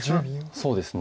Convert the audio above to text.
そうですね。